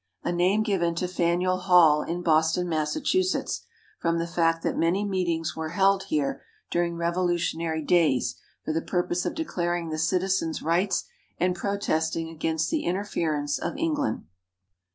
= A name given to Faneuil Hall, in Boston, Massachusetts, from the fact that many meetings were held here during Revolutionary days for the purpose of declaring the citizens' rights and protesting against the interference of England.